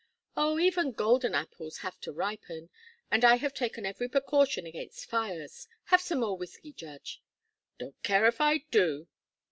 "Oh, even golden apples have to ripen. And I have taken every precaution against fires. Have some more whiskey, Judge." "Don't care if I do."